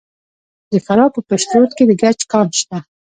د فراه په پشت رود کې د ګچ کان شته.